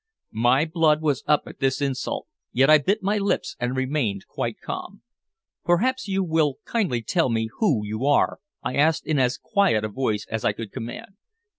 My blood was up at this insult, yet I bit my lips and remained quite calm. "Perhaps you will kindly tell me who you are?" I asked in as quiet a voice as I could command.